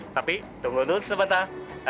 tapi tunggu dulu sebentar